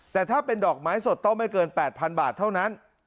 แต่ถ้าเป็นดอกไม้สดต้องไม่เกิน๘๐๐๐บาทเท่านั้น